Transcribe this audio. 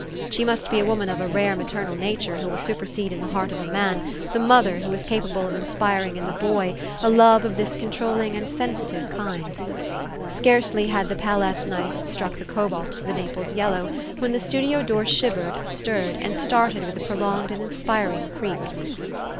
She must be a woman of a rare maternal nature who will supersede in the heart of a man the mother who is capable of inspiring in the boy a love of this control ling and sensitive kind. Scarcely had the palette knife struck the cobalt to the Naples yellow, when the studio door shivered, stirred, and started with a prolonged and inspiring creak.